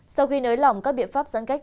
sau khi nới lỏng các biện pháp giãn cách